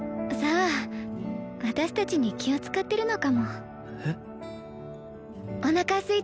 さあ私達に気を使ってるのかもえっ？